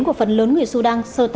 của phần lớn người sudan